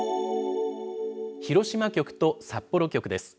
広島局と札幌局です。